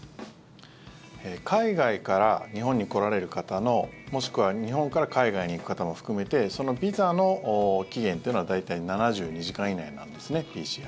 海外から日本に来られる方のもしくは日本から海外に行く方も含めてビザの期限というのは大体７２時間以内なんですねＰＣＲ。